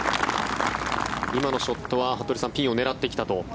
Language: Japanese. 今のショットは服部さん、ピンを狙ってきたと。